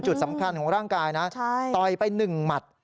จุดสำคัญของร่างกายนะต่อยไป๑หมัด